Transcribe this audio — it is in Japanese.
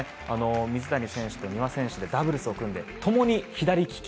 水谷選手と丹羽選手でダブルスを組んでともに左利き。